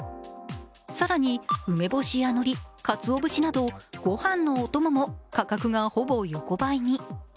更に、梅干しやのり、かつお節など御飯のお供も価格がほぼ横ばいに。